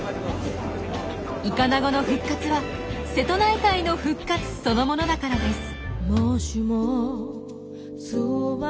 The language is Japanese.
イカナゴの復活は瀬戸内海の復活そのものだからです。